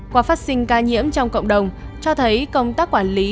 qua phát sinh ca nhiễm trong cộng đồng cho thấy công tác quản lý